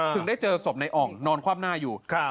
ได้เจอศพในอ่องนอนคว่ำหน้าอยู่